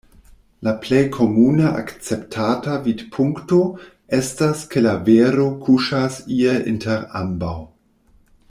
La plej komune akceptata vidpunkto estas ke la vero kuŝas ie inter ambaŭ.